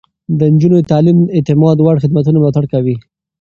د نجونو تعليم د اعتماد وړ خدمتونه ملاتړ کوي.